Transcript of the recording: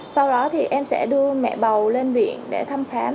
sau đó thì em sẽ đưa mẹ bầu lên viện để thăm khám